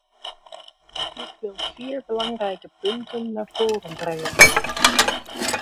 Ik wil vier belangrijke punten naar voren brengen.